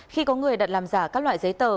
khi có người đặt làm giả các loại giấy tờ